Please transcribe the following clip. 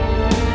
kamu gak yakin